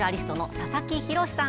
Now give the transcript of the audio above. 佐々木さん